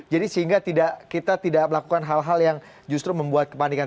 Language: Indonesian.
jadi sehingga kita tidak melakukan hal hal yang justru membuat kepanikan